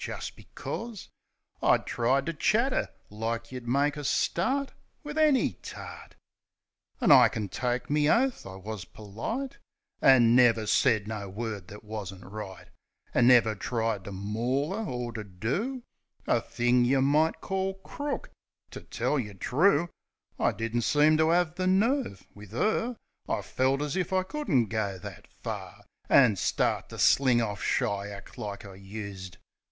Jest becors I tried to chat 'er, like you'd make a start Wiv any tart. 19 30 THE SENTIMENTAL BLOKE An' I kin take me oaf I wus perlite, An' never said no word that wasn't right, An' never tried to maul 'er, or to do A thing yeh might call crook. Ter tell yeh true, I didn't seem to 'ave the nerve — wiv 'er. I felt as if I couldn't go that fur, An' start to sling off chiack like I used